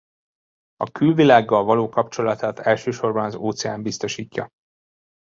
A külvilággal való kapcsolatát elsősorban az óceán biztosítja.